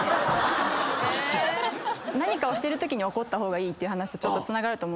何かをしてるとき怒った方がいいっていう話とつながると思う。